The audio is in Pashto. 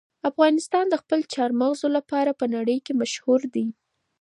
افغانستان د خپلو چار مغز لپاره په نړۍ کې مشهور دی.